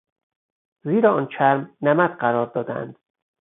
زیر آن چرم نمد قرار دادهاند.